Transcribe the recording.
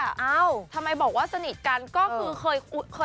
ซึ่งเจ้าตัวก็ยอมรับว่าเออก็คงจะเลี่ยงไม่ได้หรอกที่จะถูกมองว่าจับปลาสองมือ